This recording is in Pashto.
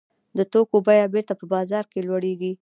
د توکو بیه بېرته په بازار کې لوړېږي